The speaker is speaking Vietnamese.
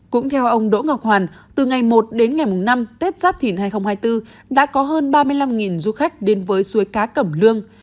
cũng theo ông đỗ ngọc hoàn từ ngày một đến ngày năm tết giáp thìn hai nghìn hai mươi bốn đã có hơn ba mươi năm du khách đến với suối cá cẩm lương